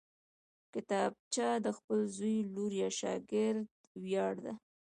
کتابچه د خپل زوی، لور یا شاګرد ویاړ ده